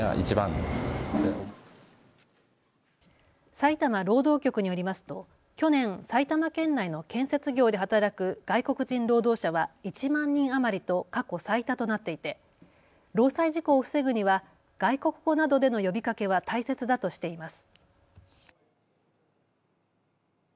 埼玉労働局によりますと去年、埼玉県内の建設業で働く外国人労働者は１万人余りと過去最多となっていて労災事故を防ぐには外国語などでの呼びかけは大切だとしています。